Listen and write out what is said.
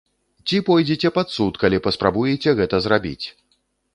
Ці пойдзеце пад суд, калі паспрабуеце гэта зрабіць!